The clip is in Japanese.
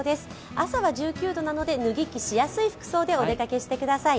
朝は１９度なので、脱ぎ着しやすい服装でお出かけください。